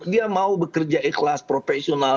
dia mau bekerja ikhlas profesional